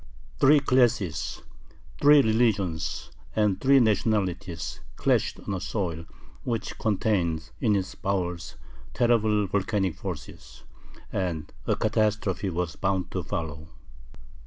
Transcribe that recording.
Three classes, three religions, and three nationalities, clashed on a soil which contained in its bowels terrible volcanic forces and a catastrophe was bound to follow.